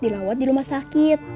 dilawat di rumah sakit